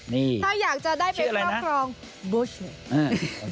นี่ชื่ออะไรนะบูชเช่น